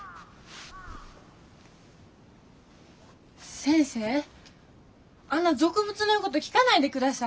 先生あんな俗物の言うこと聞かないでください。